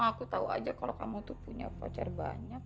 aku tahu aja kalau kamu tuh punya voucher banyak